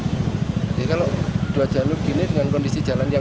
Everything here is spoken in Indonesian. jadi kalau dua jalur gini dengan kondisi jalan yang